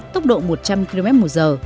tốc độ một trăm linh kmh